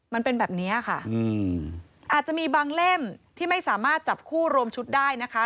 มันเป็นแบบนี้ค่ะอาจจะมีบางเล่มที่ไม่สามารถจับคู่รวมชุดได้นะคะ